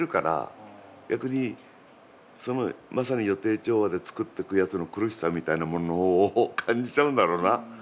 逆にまさに予定調和で作ってくやつの苦しさみたいなものを感じちゃうんだろうな。